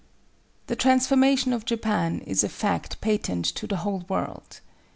] The transformation of Japan is a fact patent to the whole world.